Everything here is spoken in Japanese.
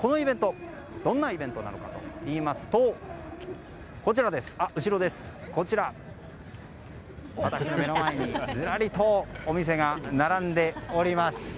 どんなイベントなのかというと私の目の前にずらりとお店が並んでおります！